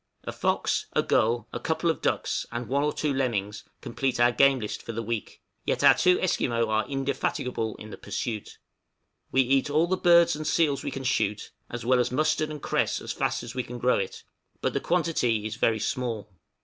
A fox, a gull, a couple of ducks, and one or two lemmings; complete our game list for the week, yet our two Esquimaux are indefatigable in the pursuit. We eat all the birds and seals we can shoot, as well as mustard and cress as fast as we can grow it, but the quantity is very small.